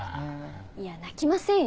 いや泣きませんよ。